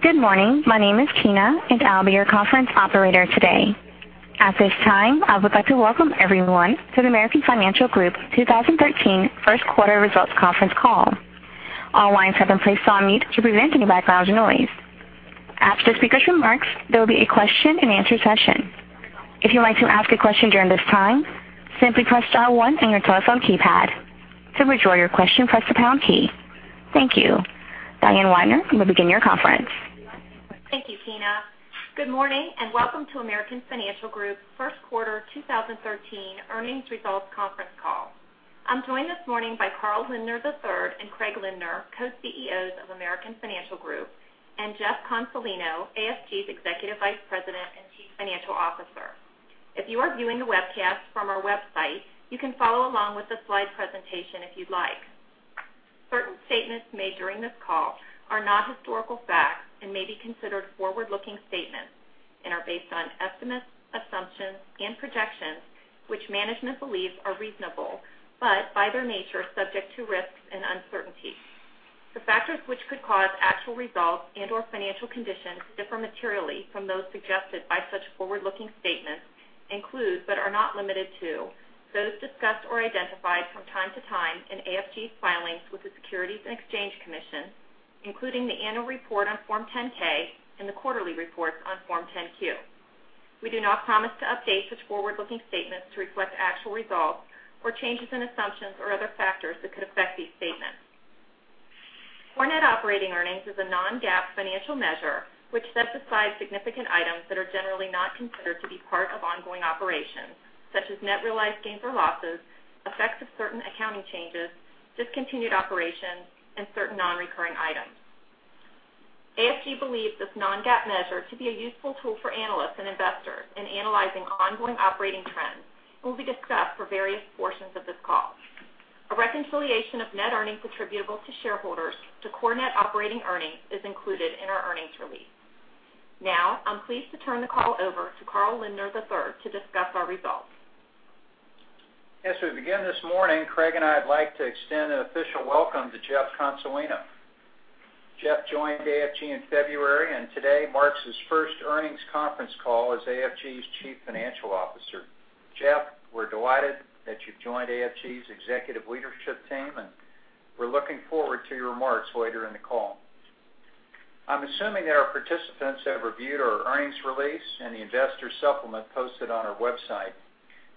Good morning. My name is Tina. I'll be your conference operator today. At this time, I would like to welcome everyone to the American Financial Group 2013 first quarter results conference call. All lines have been placed on mute to prevent any background noise. After the speaker's remarks, there will be a question and answer session. If you would like to ask a question during this time, simply press dial one on your telephone keypad. To withdraw your question, press the pound key. Thank you. Diane Weidner will begin your conference. Thank you, Tina. Good morning. Welcome to American Financial Group first quarter 2013 earnings results conference call. I'm joined this morning by Carl Lindner III and Craig Lindner, Co-CEOs of American Financial Group, and Jeff Consolino, AFG's Executive Vice President and Chief Financial Officer. If you are viewing the webcast from our website, you can follow along with the slide presentation if you'd like. Certain statements made during this call are not historical facts and may be considered forward-looking statements and are based on estimates, assumptions and projections which management believes are reasonable. By their nature, subject to risks and uncertainties. The factors which could cause actual results and/or financial conditions to differ materially from those suggested by such forward-looking statements include, are not limited to, those discussed or identified from time to time in AFG's filings with the Securities and Exchange Commission, including the annual report on Form 10-K and the quarterly reports on Form 10-Q. We do not promise to update such forward-looking statements to reflect actual results or changes in assumptions or other factors that could affect these statements. Core net operating earnings is a non-GAAP financial measure which sets aside significant items that are generally not considered to be part of ongoing operations, such as net realized gains or losses, effects of certain accounting changes, discontinued operations, and certain non-recurring items. AFG believes this non-GAAP measure to be a useful tool for analysts and investors in analyzing ongoing operating trends and will be discussed for various portions of this call. A reconciliation of net earnings attributable to shareholders to core net operating earnings is included in our earnings release. I'm pleased to turn the call over to Carl Lindner III to discuss our results. As we begin this morning, Craig and I would like to extend an official welcome to Jeff Consolino. Jeff joined AFG in February, and today marks his first earnings conference call as AFG's Chief Financial Officer. Jeff, we're delighted that you've joined AFG's executive leadership team, and we're looking forward to your remarks later in the call. I'm assuming there are participants that have reviewed our earnings release and the investor supplement posted on our website.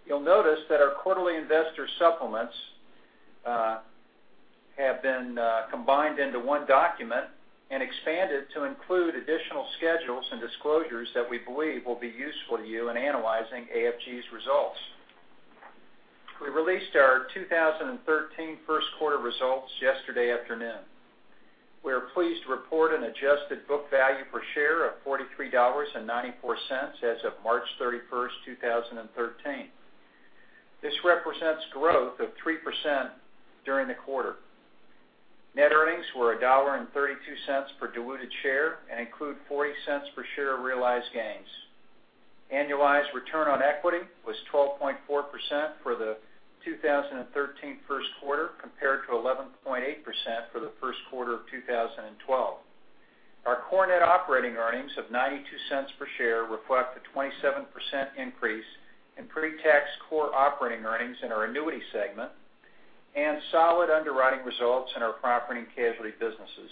You'll notice that our quarterly investor supplements have been combined into one document and expanded to include additional schedules and disclosures that we believe will be useful to you in analyzing AFG's results. We released our 2013 first quarter results yesterday afternoon. We are pleased to report an adjusted book value per share of $43.94 as of March 31st, 2013. This represents growth of 3% during the quarter. Net earnings were $1.32 per diluted share and include $0.40 per share of realized gains. Annualized return on equity was 12.4% for the 2013 first quarter, compared to 11.8% for the first quarter of 2012. Our core net operating earnings of $0.92 per share reflect a 27% increase in pre-tax core operating earnings in our annuity segment and solid underwriting results in our property and casualty businesses.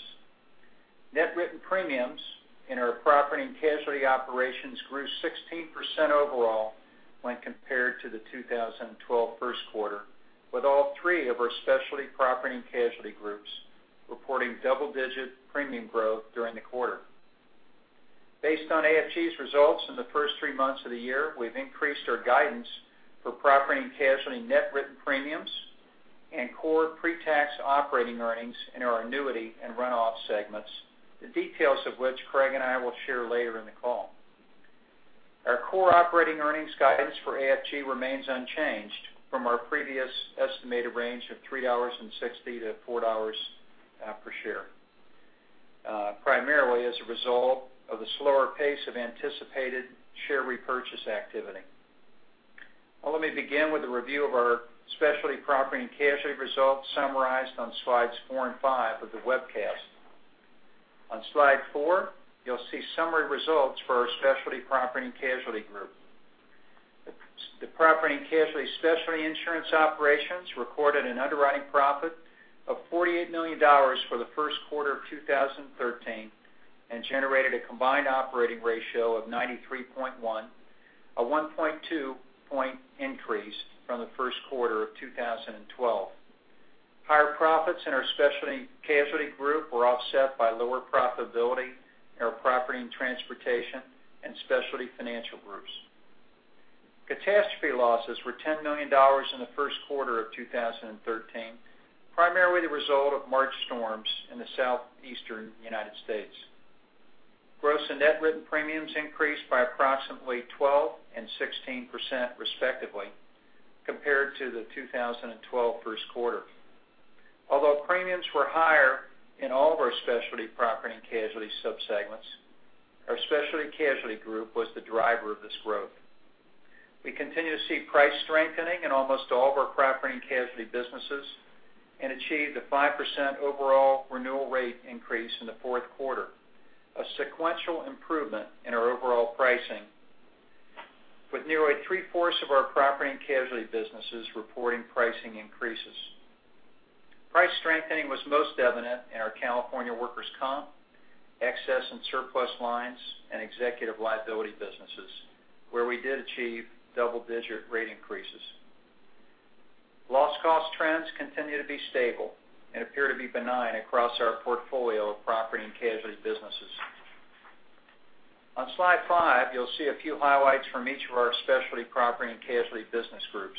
Net written premiums in our property and casualty operations grew 16% overall when compared to the 2012 first quarter, with all three of our specialty property and casualty groups reporting double-digit premium growth during the quarter. Based on AFG's results in the first three months of the year, we've increased our guidance for property and casualty net written premiums and core pre-tax operating earnings in our annuity and run-off segments, the details of which Craig and I will share later in the call. Our core operating earnings guidance for AFG remains unchanged from our previous estimated range of $3.60 to $4 per share, primarily as a result of the slower pace of anticipated share repurchase activity. Let me begin with a review of our specialty property and casualty results summarized on slides four and five of the webcast. On slide four, you'll see summary results for our specialty property and casualty group. The property and casualty specialty insurance operations recorded an underwriting profit of $48 million for the first quarter of 2013 and generated a combined operating ratio of 93.1, a 1.2 point increase from the first quarter of 2012. Higher profits in our specialty casualty group were offset by lower profitability in our property and transportation and specialty financial groups. Catastrophe losses were $10 million in the first quarter of 2013, primarily the result of March storms in the southeastern United States. Gross and net written premiums increased by approximately 12% and 16% respectively, compared to the 2012 first quarter. Although premiums were higher in all of our specialty property and casualty subsegments, our specialty casualty group was the driver of this growth. We continue to see price strengthening in almost all of our property and casualty businesses and achieved a 5% overall renewal rate increase in the fourth quarter, a sequential improvement in our overall pricing with nearly three-fourths of our property and casualty businesses reporting pricing increases. Price strengthening was most evident in our California workers' comp, excess and surplus lines, and executive liability businesses, where we did achieve double-digit rate increases. Loss cost trends continue to be stable and appear to be benign across our portfolio of property and casualty businesses. On slide five, you'll see a few highlights from each of our specialty property and casualty business groups.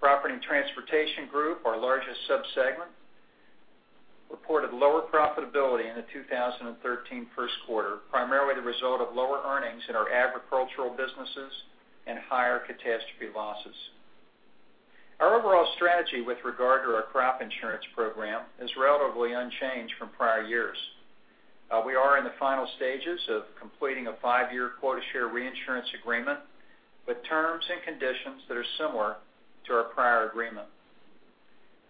Property and transportation group, our largest sub-segment, reported lower profitability in the 2013 first quarter, primarily the result of lower earnings in our agricultural businesses and higher catastrophe losses. Our overall strategy with regard to our crop insurance program is relatively unchanged from prior years. We are in the final stages of completing a five-year quota share reinsurance agreement with terms and conditions that are similar to our prior agreement.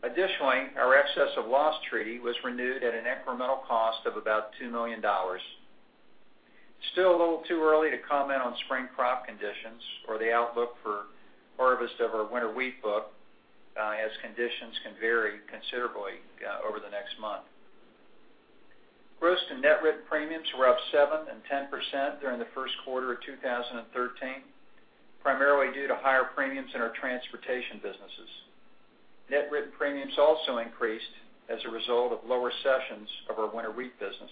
Additionally, our excess of loss treaty was renewed at an incremental cost of about $2 million. It's still a little too early to comment on spring crop conditions or the outlook for harvest of our winter wheat book, as conditions can vary considerably over the next month. Gross and net written premiums were up 7% and 10% during the first quarter of 2013, primarily due to higher premiums in our transportation businesses. Net written premiums also increased as a result of lower cessions of our winter wheat business.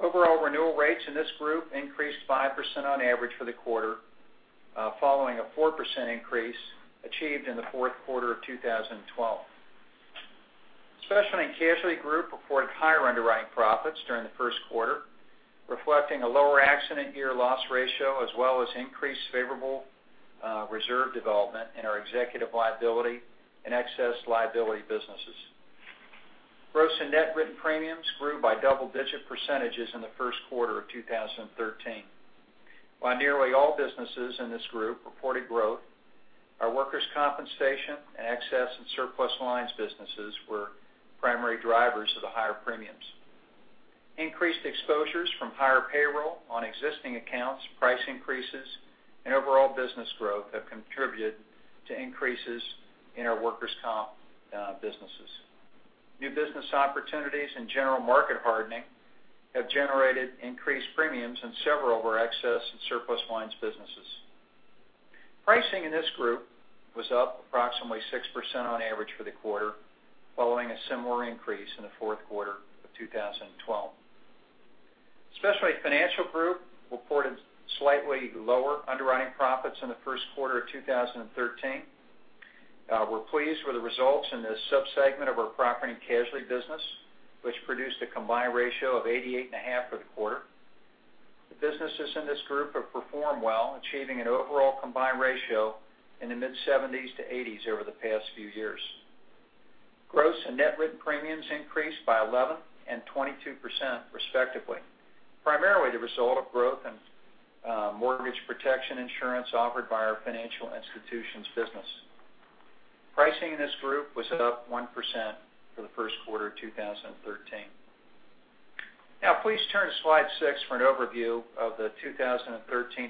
Overall renewal rates in this group increased 5% on average for the quarter, following a 4% increase achieved in the fourth quarter of 2012. Specialty and casualty group reported higher underwriting profits during the first quarter, reflecting a lower accident year loss ratio, as well as increased favorable reserve development in our executive liability and excess liability businesses. Gross and net written premiums grew by double-digit percentages in the first quarter of 2013. While nearly all businesses in this group reported growth, our workers' compensation and excess and surplus lines businesses were primary drivers of the higher premiums. Increased exposures from higher payroll on existing accounts, price increases, and overall business growth have contributed to increases in our workers' comp businesses. New business opportunities and general market hardening have generated increased premiums in several of our excess and surplus lines businesses. Pricing in this group was up approximately 6% on average for the quarter, following a similar increase in the fourth quarter of 2012. Specialty financial group reported slightly lower underwriting profits in the first quarter of 2013. We're pleased with the results in this sub-segment of our property and casualty business, which produced a combined ratio of 88.5% for the quarter. The businesses in this group have performed well, achieving an overall combined ratio in the mid 70s to 80s over the past few years. Gross and net written premiums increased by 11% and 22% respectively, primarily the result of growth in mortgage protection insurance offered by our financial institutions business. Pricing in this group was up 1% for the first quarter of 2013. Now, please turn to slide six for an overview of the 2013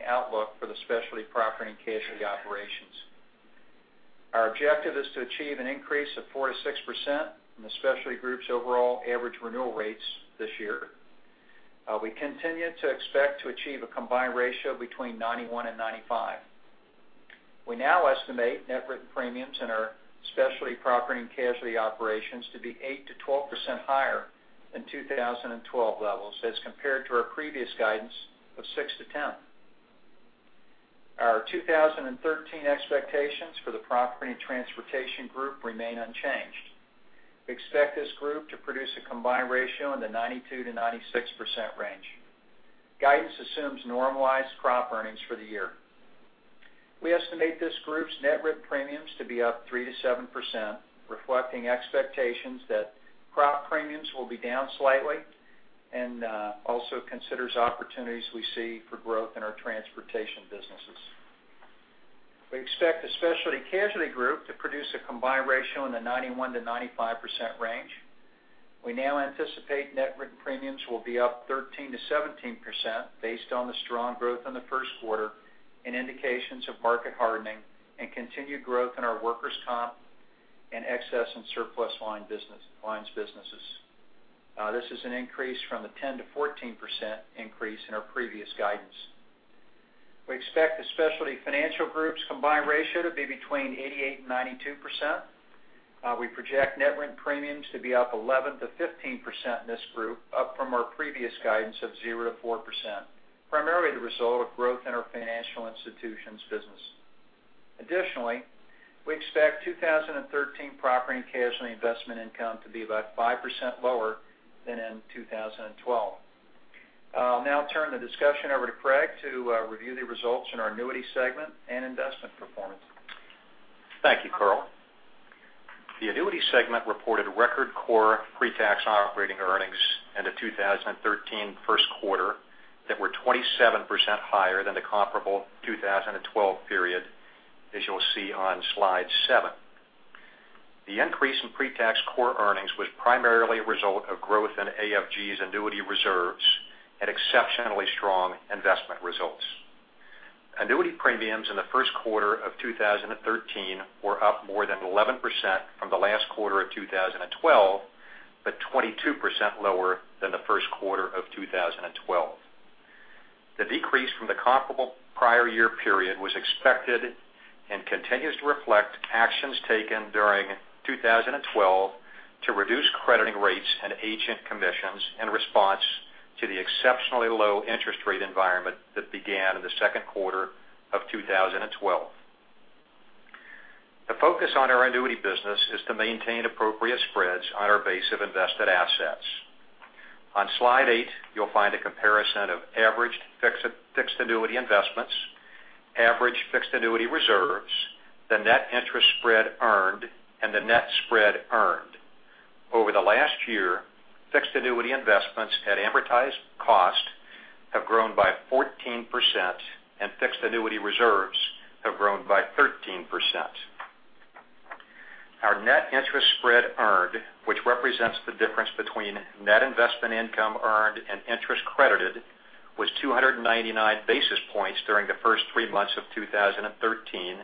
outlook for the specialty property and casualty operations. Our objective is to achieve an increase of 4%-6% in the specialty group's overall average renewal rates this year. We continue to expect to achieve a combined ratio between 91% and 95%. We now estimate net written premiums in our specialty property and casualty operations to be 8%-12% higher than 2012 levels, as compared to our previous guidance of 6%-10%. Our 2013 expectations for the property and transportation group remain unchanged. We expect this group to produce a combined ratio in the 92%-96% range. Guidance assumes normalized crop earnings for the year. We estimate this group's net written premiums to be up 3%-7%, reflecting expectations that crop premiums will be down slightly and also considers opportunities we see for growth in our transportation businesses. We expect the specialty casualty group to produce a combined ratio in the 91%-95% range. We now anticipate net written premiums will be up 13%-17%, based on the strong growth in the first quarter and indications of market hardening and continued growth in our workers' comp and excess and surplus lines businesses. This is an increase from the 10%-14% increase in our previous guidance. We expect the specialty financial group's combined ratio to be between 88% and 92%. We project net written premiums to be up 11%-15% in this group, up from our previous guidance of 0%-4%, primarily the result of growth in our financial institutions business. Additionally, we expect 2013 property and casualty investment income to be about 5% lower than in 2012. I'll now turn the discussion over to Craig to review the results in our annuity segment and investment performance. Thank you, Carl. The annuity segment reported record core pre-tax operating earnings in the 2013 first quarter that were 27% higher than the comparable 2012 period, as you'll see on slide seven. The increase in pre-tax core earnings was primarily a result of growth in AFG's annuity reserves and exceptionally strong investment results. Annuity premiums in the first quarter of 2013 were up more than 11% from the last quarter of 2012, but 22% lower than the first quarter of 2012. The decrease from the comparable prior year period was expected and continues to reflect actions taken during 2012 to reduce crediting rates and agent commissions in response to the exceptionally low interest rate environment that began in the second quarter of 2012. The focus on our annuity business is to maintain appropriate spreads on our base of invested assets. On slide eight, you'll find a comparison of averaged fixed annuity investments, averaged fixed annuity reserves, the net interest spread earned, and the net spread earned. Over the last year, fixed annuity investments at advertised cost have grown by 14%, and fixed annuity reserves have grown by 13%. Our net interest spread earned, which represents the difference between net investment income earned and interest credited, was 299 basis points during the first three months of 2013,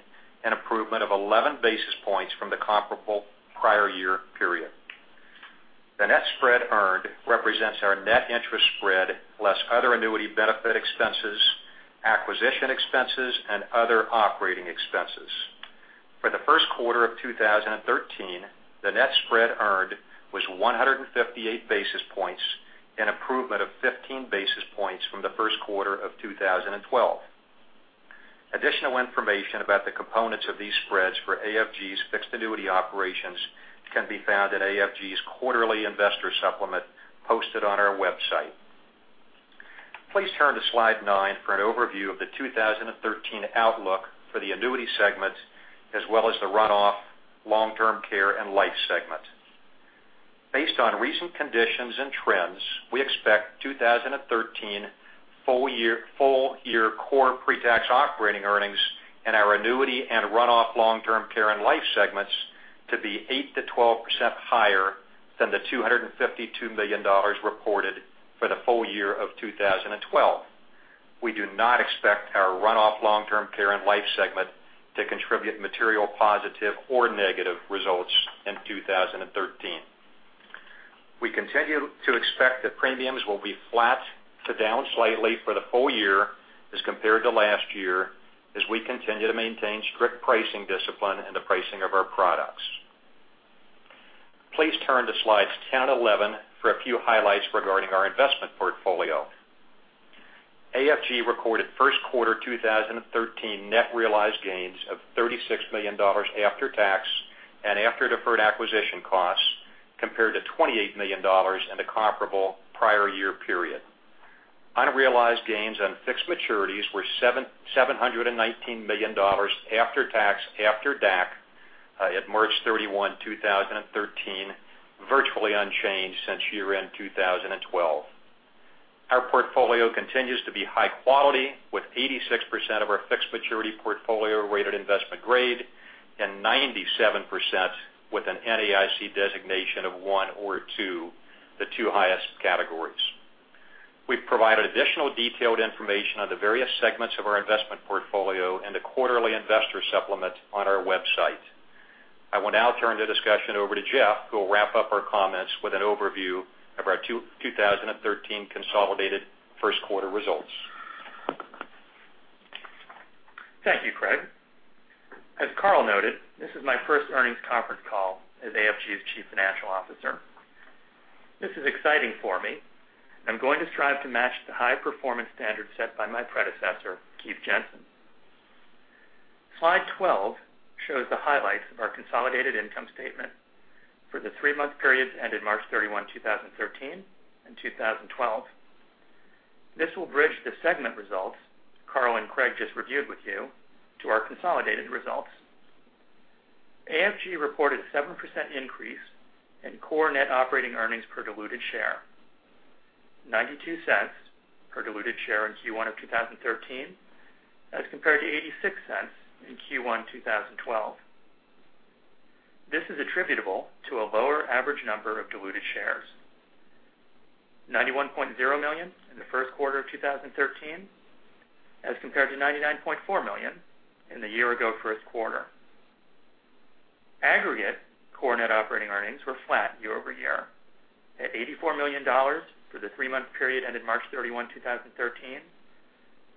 an improvement of 11 basis points from the comparable prior year period. The net spread earned represents our net interest spread, less other annuity benefit expenses, acquisition expenses, and other operating expenses. For the first quarter of 2013, the net spread earned was 158 basis points, an improvement of 15 basis points from the first quarter of 2012. Additional information about the components of these spreads for AFG's fixed annuity operations can be found in AFG's quarterly investor supplement posted on our website. Please turn to slide nine for an overview of the 2013 outlook for the annuity segment, as well as the runoff long-term care and life segment. Based on recent conditions and trends, we expect 2013 full year core pre-tax operating earnings in our annuity and runoff long-term care and life segments to be 8%-12% higher than the $252 million reported for the full year of 2012. We do not expect our runoff long-term care and life segment to contribute material positive or negative results in 2013. We continue to expect that premiums will be flat to down slightly for the full year as compared to last year, as we continue to maintain strict pricing discipline in the pricing of our products. Please turn to slides 10 and 11 for a few highlights regarding our investment portfolio. AFG recorded first quarter 2013 net realized gains of $36 million after tax and after deferred acquisition costs, compared to $28 million in the comparable prior year period. Unrealized gains on fixed maturities were $719 million after tax, after DAC, at March 31, 2013, virtually unchanged since year-end 2012. Our portfolio continues to be high quality, with 86% of our fixed maturity portfolio rated investment grade and 97% with an NAIC designation of one or two, the two highest categories. We've provided additional detailed information on the various segments of our investment portfolio in the quarterly investor supplement on our website. I will now turn the discussion over to Jeff, who will wrap up our comments with an overview of our 2013 consolidated first quarter results. Thank you, Craig. As Carl noted, this is my first earnings conference call as AFG's Chief Financial Officer. This is exciting for me. I'm going to strive to match the high-performance standards set by my predecessor, Keith Jensen. Slide 12 shows the highlights of our consolidated income statement for the three-month periods ended March 31, 2013, and 2012. This will bridge the segment results Carl and Craig just reviewed with you to our consolidated results. AFG reported a 7% increase in core net operating earnings per diluted share, $0.92 per diluted share in Q1 of 2013, as compared to $0.86 in Q1 2012. This is attributable to a lower average number of diluted shares, 91.0 million in the first quarter of 2013 as compared to 99.4 million in the year ago first quarter. Aggregate core net operating earnings were flat year-over-year, at $84 million for the three-month period ended March 31, 2013,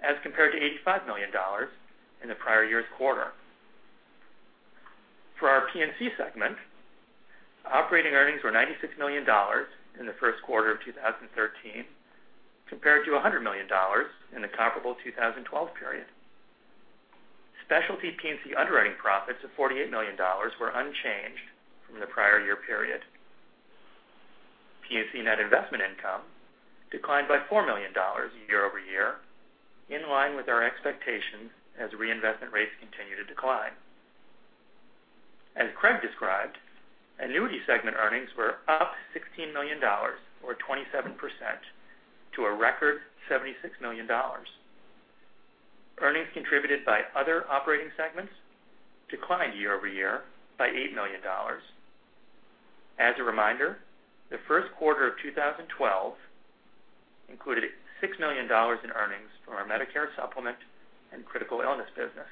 as compared to $85 million in the prior year's quarter. For our P&C segment, operating earnings were $96 million in the first quarter of 2013, compared to $100 million in the comparable 2012 period. Specialty P&C underwriting profits of $48 million were unchanged from the prior year period. P&C net investment income declined by $4 million year-over-year, in line with our expectations as reinvestment rates continue to decline. As Craig described, annuity segment earnings were up $16 million or 27% to a record $76 million. Earnings contributed by other operating segments declined year-over-year by $8 million. As a reminder, the first quarter of 2012 included $6 million in earnings from our Medicare supplement and critical illness business,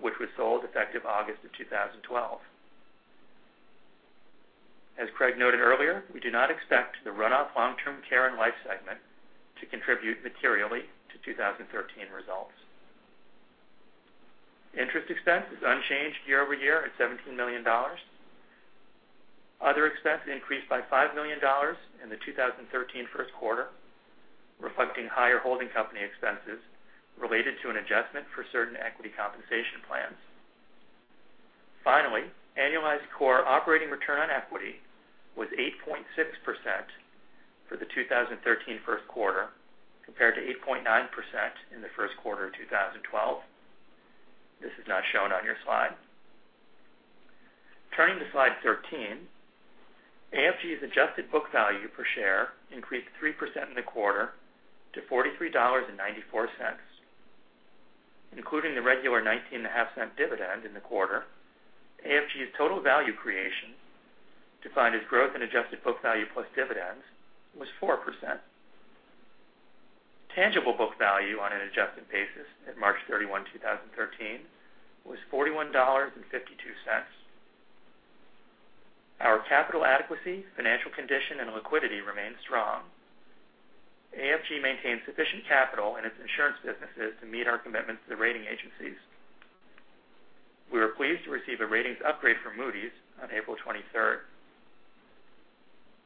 which was sold effective August of 2012. As Craig noted earlier, we do not expect the runoff long-term care and life segment to contribute materially to 2013 results. Interest expense is unchanged year-over-year at $17 million. Other expense increased by $5 million in the 2013 first quarter, reflecting higher holding company expenses related to an adjustment for certain equity compensation plans. Finally, annualized core operating return on equity was 8.6% for the 2013 first quarter, compared to 8.9% in the first quarter of 2012. This is not shown on your slide. Turning to slide 13, AFG's adjusted book value per share increased 3% in the quarter to $43.94, including the regular $0.195 dividend in the quarter. AFG's total value creation, defined as growth in adjusted book value plus dividends, was 4%. Tangible book value on an adjusted basis at March 31, 2013, was $41.52. Our capital adequacy, financial condition, and liquidity remain strong. AFG maintains sufficient capital in its insurance businesses to meet our commitments to the rating agencies. We were pleased to receive a ratings upgrade from Moody's on April 23rd.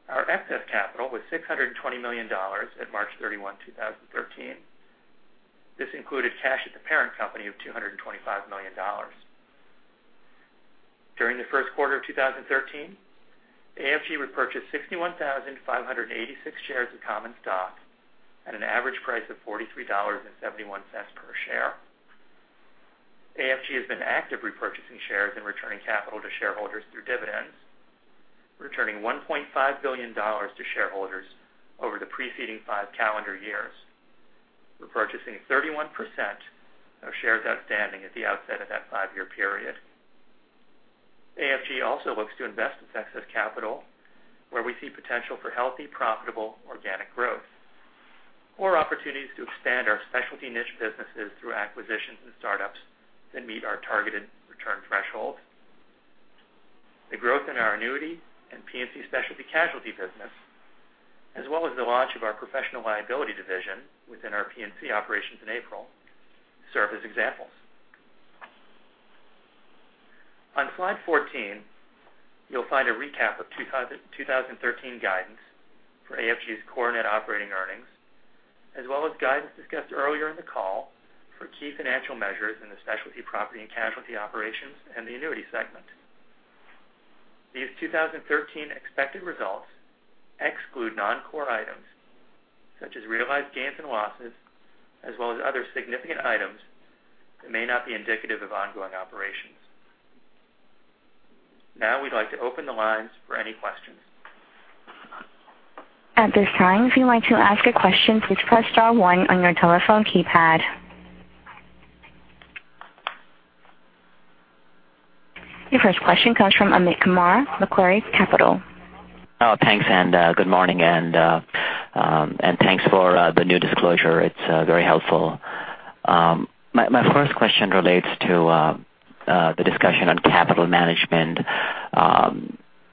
Our excess capital was $620 million at March 31, 2013. This included cash at the parent company of $225 million. During the first quarter of 2013, AFG repurchased 61,586 shares of common stock at an average price of $43.71 per share. AFG has been active repurchasing shares and returning capital to shareholders through dividends, returning $1.5 billion to shareholders over the preceding five calendar years, repurchasing 31% of shares outstanding at the outset of that five-year period. AFG also looks to invest its excess capital where we see potential for healthy, profitable, organic growth or opportunities to expand our specialty niche businesses through acquisitions and startups that meet our targeted return thresholds. The growth in our annuity and P&C specialty casualty business, as well as the launch of our professional liability division within our P&C operations in April, serve as examples. On slide 14, you'll find a recap of 2013 guidance for AFG's core net operating earnings, as well as guidance discussed earlier in the call for key financial measures in the specialty property and casualty operations and the annuity segment. These 2013 expected results exclude non-core items such as realized gains and losses, as well as other significant items that may not be indicative of ongoing operations. Now we'd like to open the lines for any questions. At this time, if you'd like to ask a question, please press star one on your telephone keypad. Your first question comes from Amit Kumar, Macquarie Capital. Oh, thanks, good morning, and thanks for the new disclosure. It's very helpful. My first question relates to the discussion on capital management.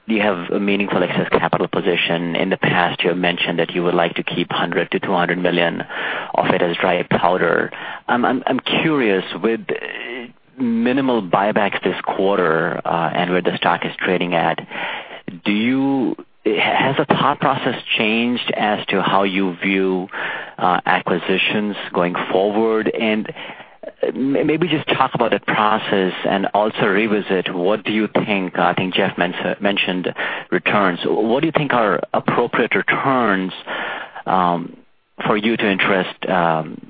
You have a meaningful excess capital position. In the past, you have mentioned that you would like to keep $100 million to $200 million of it as dry powder. I'm curious, with minimal buybacks this quarter and where the stock is trading at, has the thought process changed as to how you view acquisitions going forward? Maybe just talk about that process and also revisit, I think Jeff mentioned returns. What do you think are appropriate returns for you to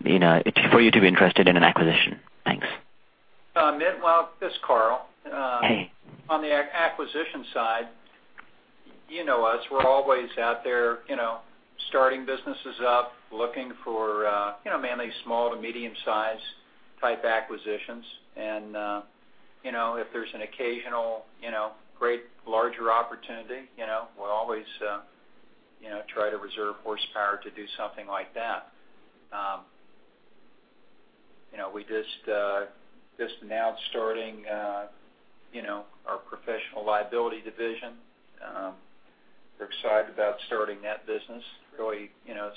be interested in an acquisition? Thanks. Amit, well, this is Carl. Hey. On the acquisition side, you know us, we're always out there starting businesses up, looking for mainly small to medium size type acquisitions. If there's an occasional great larger opportunity, we'll always try to reserve horsepower to do something like that. We're just now starting our professional liability division. We're excited about starting that business. Really, it's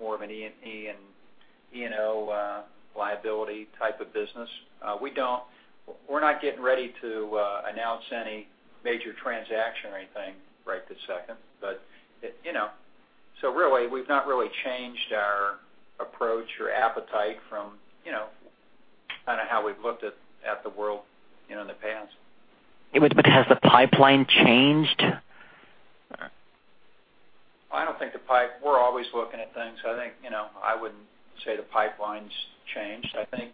more of an E&P and E&O liability type of business. We're not getting ready to announce any major transaction or anything right this second. Really, we've not really changed our approach or appetite from Kind of how we've looked at the world in the past. Has the pipeline changed? I don't think. We're always looking at things. I wouldn't say the pipeline's changed. I think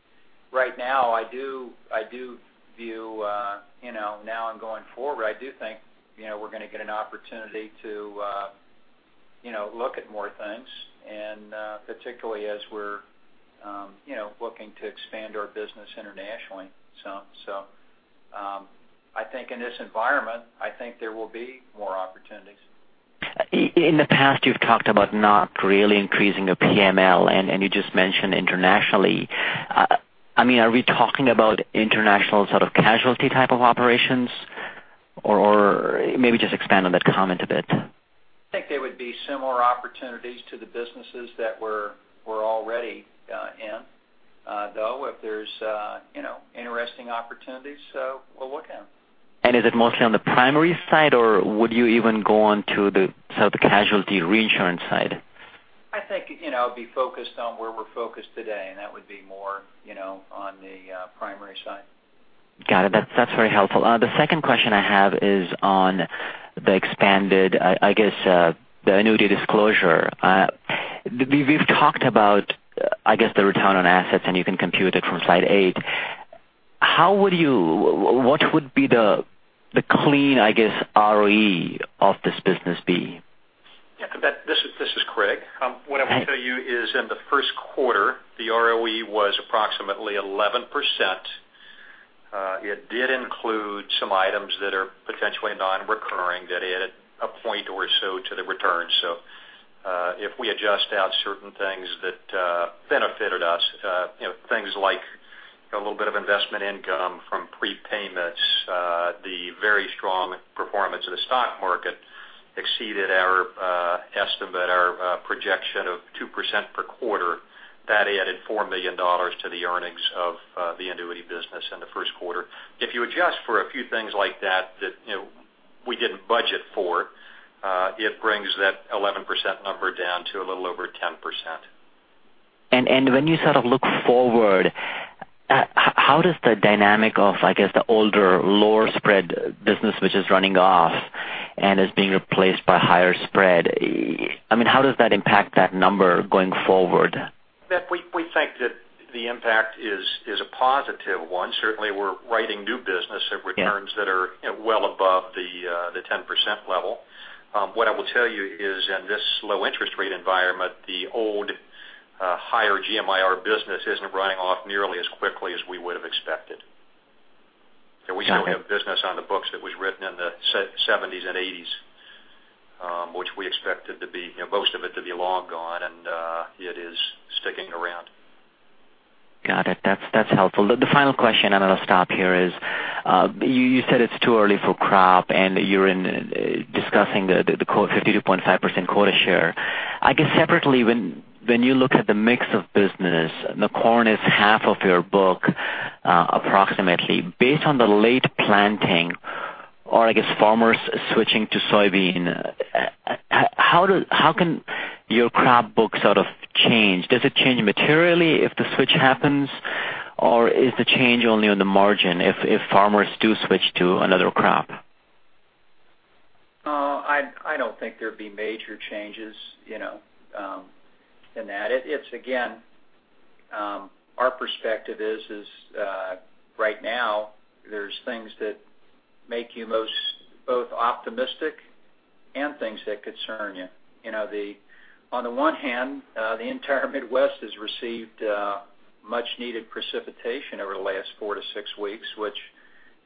right now I do view, now and going forward, I do think we're going to get an opportunity to look at more things, and particularly as we're looking to expand our business internationally. I think in this environment, I think there will be more opportunities. In the past, you've talked about not really increasing the PML, and you just mentioned internationally. Are we talking about international sort of casualty type of operations? Maybe just expand on that comment a bit. I think there would be similar opportunities to the businesses that we're already in. If there's interesting opportunities, we'll look at them. Is it mostly on the primary side, or would you even go on to the sort of the casualty reinsurance side? I think it'd be focused on where we're focused today, and that would be more on the primary side. Got it. That's very helpful. The second question I have is on the expanded, I guess, the annuity disclosure. We've talked about, I guess, the return on assets, and you can compute it from slide eight. What would be the clean, I guess, ROE of this business be? Yeah. This is Craig. Okay. What I will tell you is in the first quarter, the ROE was approximately 11%. It did include some items that are potentially non-recurring that added a point or so to the return. If we adjust out certain things that benefited us, things like a little bit of investment income from prepayments, the very strong performance of the stock market exceeded our estimate, our projection of 2% per quarter. That added $4 million to the earnings of the annuity business in the first quarter. If you adjust for a few things like that we didn't budget for, it brings that 11% number down to a little over 10%. When you sort of look forward, how does the dynamic of, I guess, the older, lower spread business, which is running off and is being replaced by higher spread, how does that impact that number going forward? We think that the impact is a positive one. Certainly, we're writing new business at returns that are well above the 10% level. What I will tell you is in this low interest rate environment, the old, higher GMIR business isn't running off nearly as quickly as we would've expected. Sure. We still have business on the books that was written in the '70s and '80s, which we expected to be, most of it to be long gone, and it is sticking around. Got it. That's helpful. The final question, then I'll stop here is, you said it's too early for crop, you're discussing the 52.5% quota share. I guess separately, when you look at the mix of business, the corn is half of your book, approximately. Based on the late planting, or I guess farmers switching to soybean, how can your crop book sort of change? Does it change materially if the switch happens, or is the change only on the margin if farmers do switch to another crop? I don't think there'd be major changes in that. Again, our perspective is right now there's things that make you both optimistic and things that concern you. On the one hand, the entire Midwest has received much needed precipitation over the last four to six weeks, which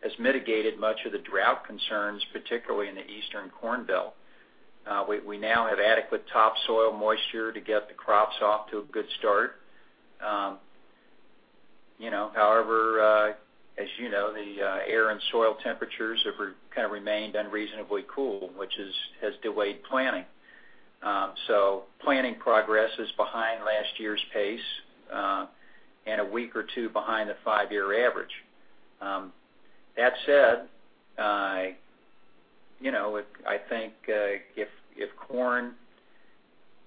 has mitigated much of the drought concerns, particularly in the Eastern Corn Belt. We now have adequate topsoil moisture to get the crops off to a good start. However, as you know, the air and soil temperatures have kind of remained unreasonably cool, which has delayed planting. Planting progress is behind last year's pace, and a week or two behind the five-year average. That said, I think if corn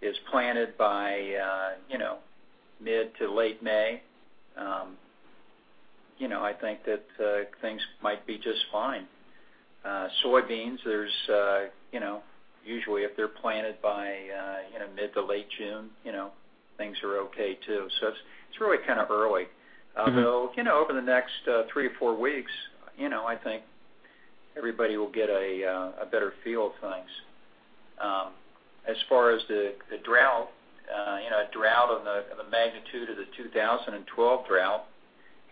is planted by mid to late May, I think that things might be just fine. Soybeans, usually if they're planted by mid to late June, things are okay too. It's really kind of early. Although, over the next three or four weeks, I think everybody will get a better feel of things. As far as the drought, a drought of the magnitude of the 2012 drought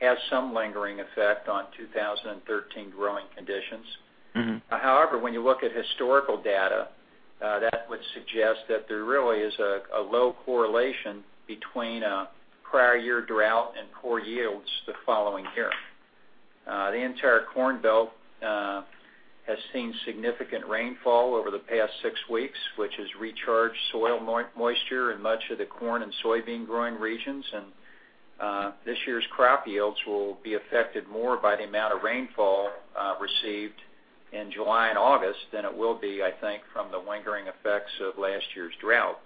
has some lingering effect on 2013 growing conditions. However, when you look at historical data, that would suggest that there really is a low correlation between a prior year drought and poor yields the following year. The entire Corn Belt has seen significant rainfall over the past six weeks, which has recharged soil moisture in much of the corn and soybean growing regions. This year's crop yields will be affected more by the amount of rainfall received in July and August than it will be, I think, from the lingering effects of last year's drought.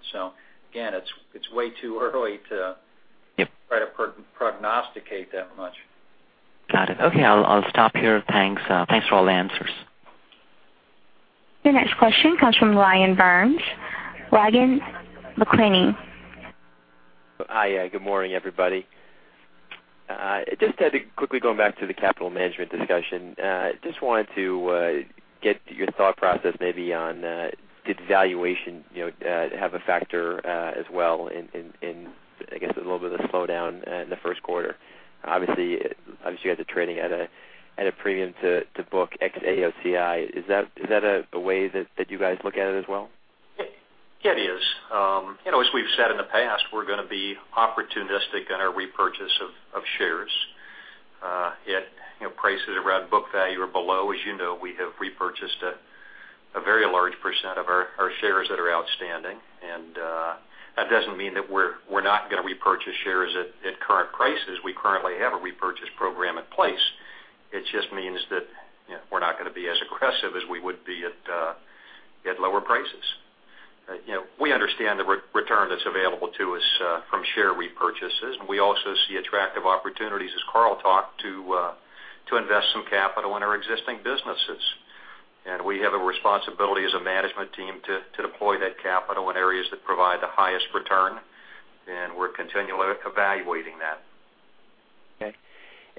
It's way too early to. Yep Try to prognosticate that much. Got it. Okay, I'll stop here. Thanks for all the answers. Your next question comes from Ryan Burns, Ragan McKinney. Hi. Good morning, everybody. Had to quickly go back to the capital management discussion. Wanted to get your thought process maybe on, did valuation have a factor as well in, I guess, a little bit of the slowdown in the first quarter? Obviously, you had the trading at a premium to book ex AOCI. Is that a way that you guys look at it as well? It is. As we've said in the past, we're going to be opportunistic in our repurchase of shares at prices around book value or below. As you know, we have repurchased a very large percent of our shares that are outstanding, and that doesn't mean that we're not going to repurchase shares at current prices. We currently have a repurchase program in place. It just means that we're not going to be as aggressive as we would be at lower prices. We understand the return that's available to us from share repurchases, and we also see attractive opportunities, as Carl talked, to invest some capital in our existing businesses. We have a responsibility as a management team to deploy that capital in areas that provide the highest return, and we're continually evaluating that.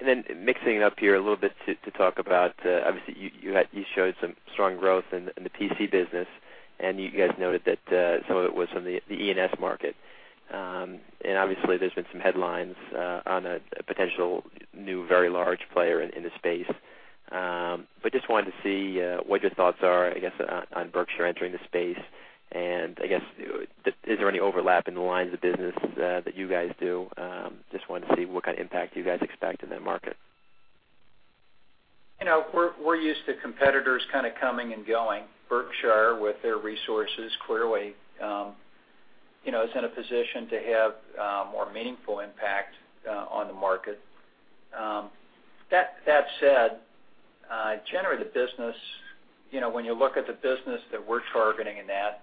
Okay. Mixing it up here a little bit to talk about, obviously, you showed some strong growth in the P&C business, and you guys noted that some of it was from the E&S market. Obviously, there's been some headlines on a potential new, very large player in the space. Wanted to see what your thoughts are, I guess, on Berkshire entering the space, and I guess, is there any overlap in the lines of business that you guys do? Wanted to see what kind of impact you guys expect in that market. We're used to competitors kind of coming and going. Berkshire, with their resources, clearly is in a position to have a more meaningful impact on the market. That said, generally the business, when you look at the business that we're targeting in that,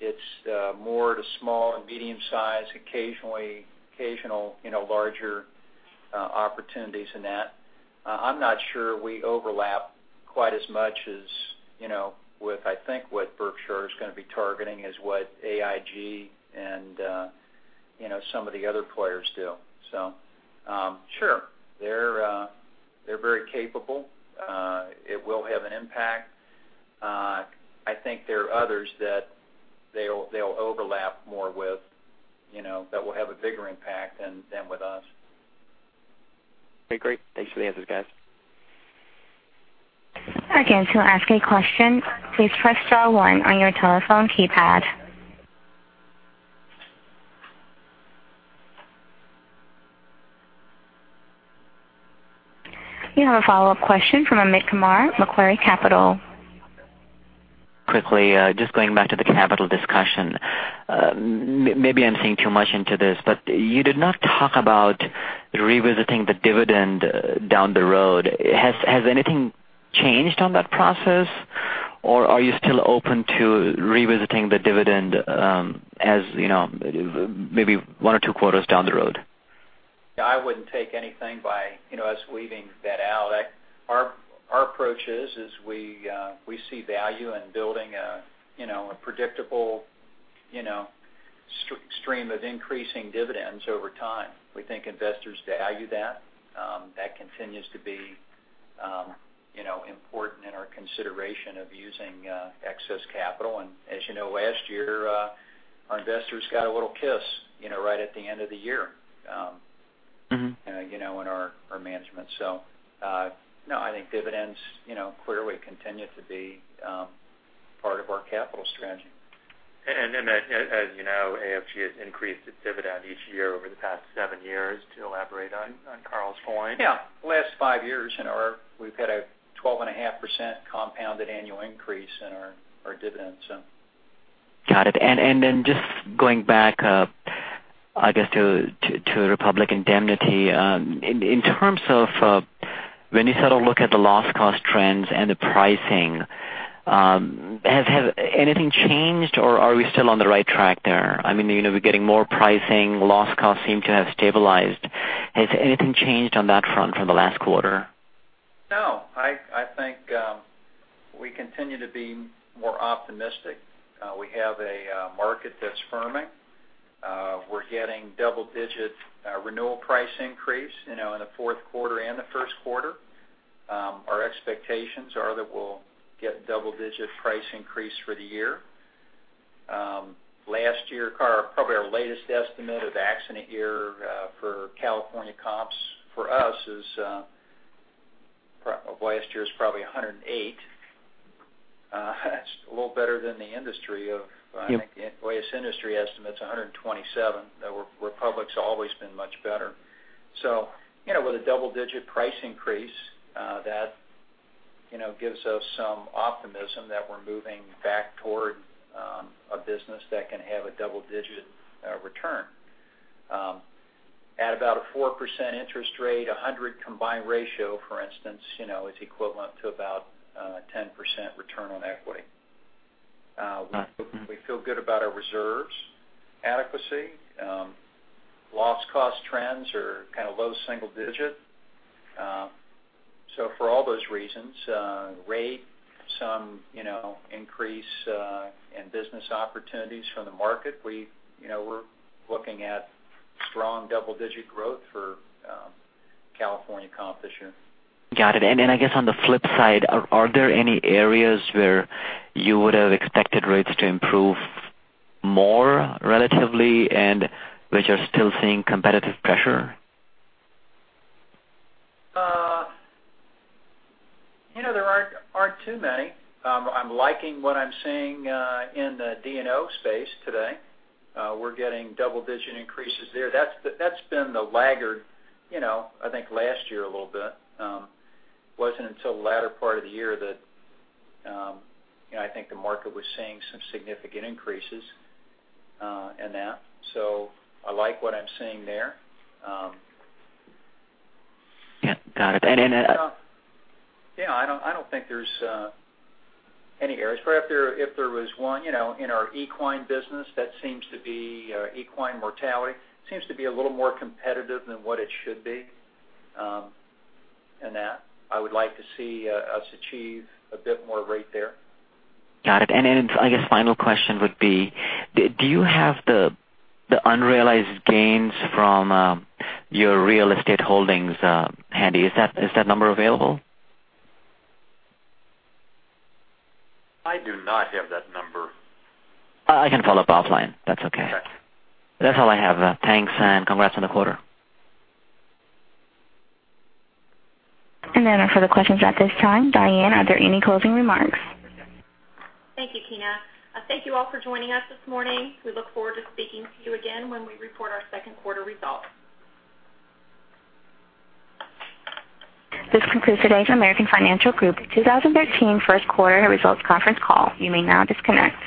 it's more the small and medium size, occasional larger opportunities in that. I'm not sure we overlap quite as much as with, I think what Berkshire is going to be targeting is what AIG and some of the other players do. Sure, they're very capable. It will have an impact. I think there are others that they'll overlap more with, that will have a bigger impact than with us. Okay, great. Thanks for the answers, guys. Again, to ask a question, please press star one on your telephone keypad. You have a follow-up question from Amit Kumar, Macquarie Capital. Quickly, just going back to the capital discussion. Maybe I'm seeing too much into this, you did not talk about revisiting the dividend down the road. Has anything changed on that process, or are you still open to revisiting the dividend as maybe one or two quarters down the road? I wouldn't take anything by us leaving that out. Our approach is we see value in building a predictable stream of increasing dividends over time. We think investors value that. That continues to be important in our consideration of using excess capital. As you know, last year, our investors got a little kiss right at the end of the year. and our management. No, I think dividends clearly continue to be part of our capital strategy. Amit, as you know, AFG has increased its dividend each year over the past seven years to elaborate on Carl's point. Yeah. Last five years, we've had a 12.5% compounded annual increase in our dividends. Got it. Then just going back, I guess to Republic Indemnity. In terms of when you said to look at the loss cost trends and the pricing, has anything changed, or are we still on the right track there? We're getting more pricing. Loss costs seem to have stabilized. Has anything changed on that front from the last quarter? No. I think we continue to be more optimistic. We have a market that's firming. We're getting double-digit renewal price increase in the fourth quarter and the first quarter. Our expectations are that we'll get double-digit price increase for the year. Last year, probably our latest estimate of the accident year for California comps for us of last year is probably 108. It's a little better than the industry. Yep I think the industry estimate's 127, though Republic's always been much better. With a double-digit price increase, that gives us some optimism that we're moving back toward a business that can have a double-digit return. At about a 4% interest rate, 100 combined ratio, for instance, is equivalent to about 10% return on equity. We feel good about our reserves adequacy. Loss cost trends are kind of low single-digit. For all those reasons, rate, some increase in business opportunities from the market, we're looking at strong double-digit growth for California comp this year. Got it. I guess on the flip side, are there any areas where you would have expected rates to improve more relatively and which are still seeing competitive pressure? There aren't too many. I'm liking what I'm seeing in the D&O space today. We're getting double-digit increases there. That's been the laggard I think last year a little bit. Wasn't until the latter part of the year that I think the market was seeing some significant increases in that. I like what I'm seeing there. Yeah, got it. Yeah, I don't think there's any areas. Perhaps if there was one, in our equine business. Equine mortality seems to be a little more competitive than what it should be in that. I would like to see us achieve a bit more rate there. Got it. I guess final question would be, do you have the unrealized gains from your real estate holdings handy? Is that number available? I do not have that number. I can follow up offline. That's okay. Okay. That's all I have. Thanks and congrats on the quarter. There are no further questions at this time. Diane, are there any closing remarks? Thank you, Tina. Thank you all for joining us this morning. We look forward to speaking to you again when we report our second quarter results. This concludes today's American Financial Group 2013 first quarter results conference call. You may now disconnect.